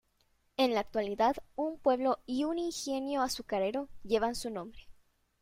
En la actualidad, un pueblo y un ingenio azucarero llevan su nombre.